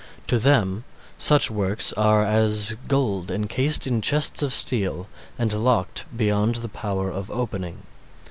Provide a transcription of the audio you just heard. To them such works are as gold enclosed in chests of steel and locked beyond power of opening.